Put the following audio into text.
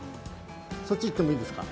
そっちに行ってもいいですか？